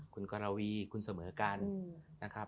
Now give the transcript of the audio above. คุณกรวีคุณเสมอกันนะครับ